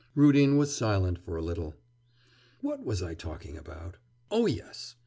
Rudin was silent for a little. 'What was I talking about?... Oh yes!